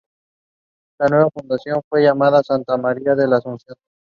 La nueva fundación fue llamada Santa María de la Asunción Misantla.